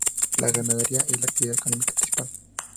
La ganadería es la actividad económica principal.